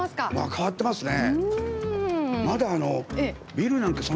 変わってますね。